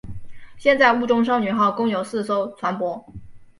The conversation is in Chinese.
现在雾中少女号共有四艘船舶。